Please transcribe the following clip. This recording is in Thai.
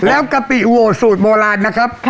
แล้วกะปิโวสูตรโบราณนะครับ